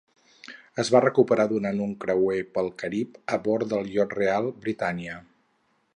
Es va recuperar durant un creuer pel Carib a bord del iot real "Britannia".